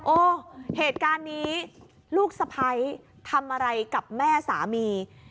โอ้เหตุการณ์นี้ลูกสะพ้ายทำอะไรกับแม่สามี